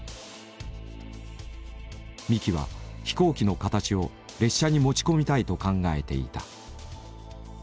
三木は飛行機の形を列車に持ち込みたいと考えていた。